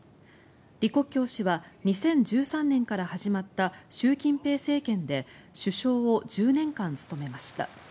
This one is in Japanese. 李克強氏は２０１３年から始まった習近平政権で首相を１０年間務めました。